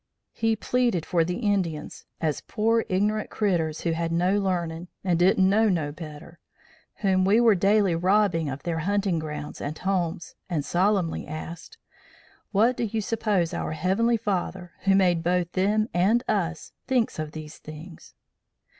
He pleaded for the Indians, as 'pore ignorant critters, who had no learnin', and didn't know no better,' whom we were daily robbing of their hunting grounds and homes, and solemnly asked: 'What der yer 'spose our Heavenly Father, who made both them and us, thinks of these things?'